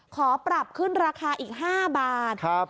ขอปรับขึ้นราคาอีก๕บาท